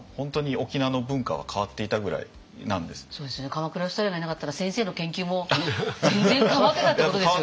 鎌倉芳太郎がいなかったら先生の研究も全然変わってたってことですよね。